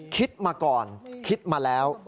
คิดมาก่อนคิดมาแล้ว